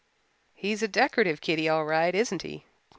"He's a decorative kiddy all right, isn't he?"